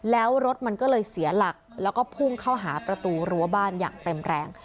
แล้วรถมันก็เลยเสียหลักแล้วก็พุ่งเข้าหาประตูรั้วบ้านอย่างเต็มแรง